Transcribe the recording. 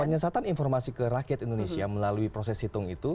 penyesatan informasi ke rakyat indonesia melalui proses hitung itu